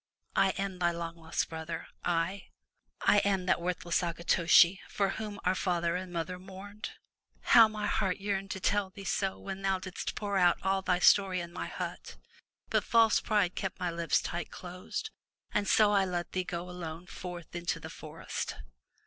I am thy long lost brother — I! I am that worthless Akitoshi, for whom our father and mother mourned. How my heart yearned to tell thee so when thou didst pour out all thy story in my hut, but false pride kept my lips tight closed, and so I let thee go alone forth into the forest.''